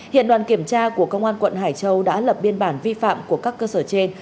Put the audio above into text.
hiện đoàn kiểm tra của công an quận hải châu đã lập biên bản vi phạm của các cơ sở trên